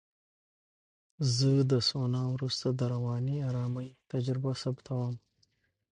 زه د سونا وروسته د رواني آرامۍ تجربه ثبتوم.